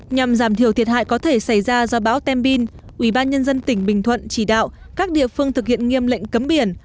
nhằm giảm thiểu thiệt hại có thể xảy ra do bão tembin ủy ban nhân dân tỉnh bình thuận chỉ đạo các địa phương thực hiện nghiêm lệnh cấm biển